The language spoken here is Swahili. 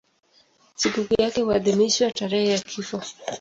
Sikukuu yake huadhimishwa tarehe ya kifo.